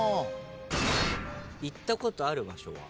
行ったことある場所は？